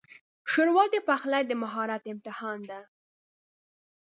ښوروا د پخلي د مهارت امتحان ده.